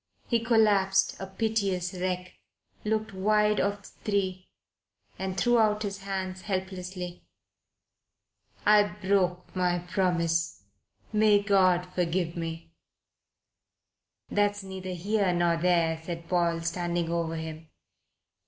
He collapsed, a piteous wreck, looked wide of the three, and threw out his hands helplessly. "I broke my promise. May God forgive me!" "That's neither here nor there," said Paul, standing over him.